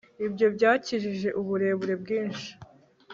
Ibyo byakijije uburemere bwinshi